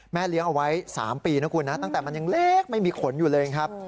เลี้ยงเอาไว้๓ปีนะคุณนะตั้งแต่มันยังเล็กไม่มีขนอยู่เลยครับ